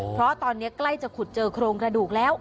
เพราะตอนนี้ใกล้จะขุดเจอโครงกระดูกแล้ว